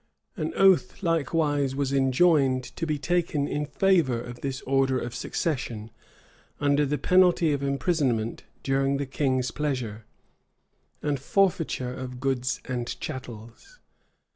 An oath likewise was enjoined to be taken in favor of this order of succession, under the penalty of imprisonment during the king's pleasure, and forfeiture of goods and chattels.